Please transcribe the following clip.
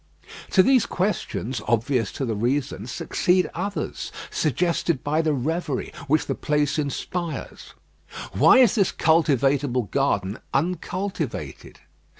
To these questions, obvious to the reason, succeed others, suggested by the reverie which the place inspires. Why is this cultivatable garden uncultivated?